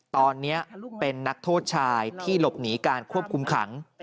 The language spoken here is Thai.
ตอนนี้เป็นนักโทษชายที่หลบหนีการควบคุมขัง